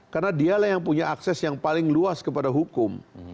karena dialah yang punya akses yang paling luas kepada hukum